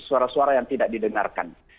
suara suara yang tidak didengarkan